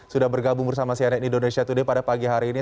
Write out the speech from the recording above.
sudah bergabung bersama cnn indonesia today pada pagi hari ini